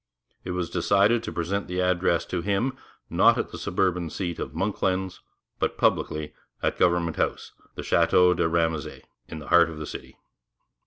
It was decided to present the address to him, not at the suburban seat of 'Monklands,' but publicly at Government House, the Château de Ramezay in the heart of the city.